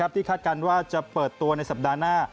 คาดการณ์ว่าจะเปิดตัวในสัปดาห์หน้า